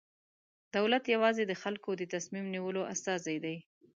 دولت یوازې د خلکو د تصمیم نیولو استازی دی.